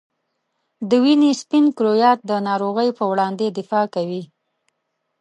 د وینې سپین کرویات د ناروغۍ په وړاندې دفاع کوي.